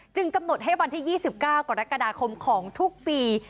กำหนดให้วันที่๒๙กรกฎาคมของทุกปี